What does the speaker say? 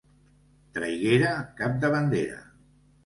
Traiguera, cap de bandera.